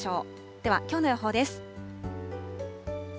では、きょうの予報です。